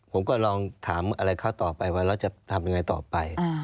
ผมก็ลองถามอะไรเขาต่อไปว่าเราจะทำยังไงต่อไป